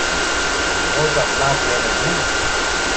Vuoi parlargliene tu?